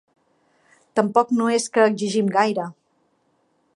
Tampoc no és que exigim gaire.